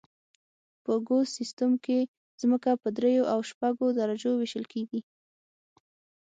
په ګوس سیستم کې ځمکه په دریو او شپږو درجو ویشل کیږي